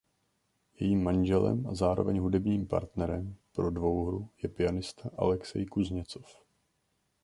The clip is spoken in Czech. Jejím manželem a zároveň hudebním partnerem pro dvouhru je pianista Alexej Kuzněcov.